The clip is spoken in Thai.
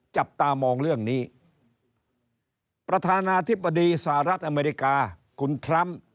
จับตามองเรื่องนี้ประธานาธิบดีสหรัฐอเมริกาคุณทรัมป์